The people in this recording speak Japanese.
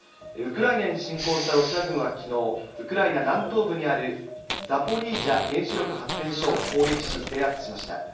ウクライナに侵攻したロシア軍はきのう、ウクライナ南東部にあるザポリージャ原子力発電所を攻撃し、制圧しました。